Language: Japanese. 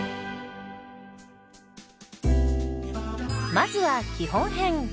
まずは基本編。